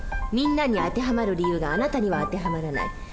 みんなに当てはまる理由があなたには当てはまらない。